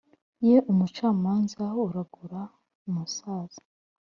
Ye umucamanza uragura umusaza